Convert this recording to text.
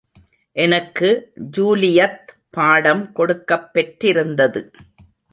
எனக்கு ஜூலியத் பாடம் கொடுக்கப் பெற்றிருந்தது.